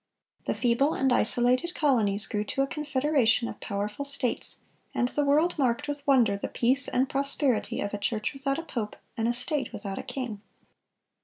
The feeble and isolated colonies grew to a confederation of powerful States, and the world marked with wonder the peace and prosperity of "a church without a pope, and a state without a king."